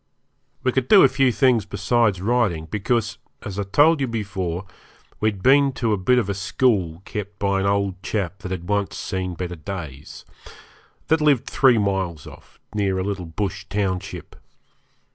We could do a few things besides riding, because, as I told you before, we had been to a bit of a school kept by an old chap that had once seen better days, that lived three miles off, near a little bush township.